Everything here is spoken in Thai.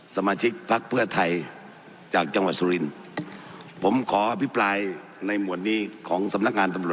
สมาชิกพักเพื่อไทยจากจังหวัดสุรินทร์ผมขออภิปรายในหมวดนี้ของสำนักงานตำรวจ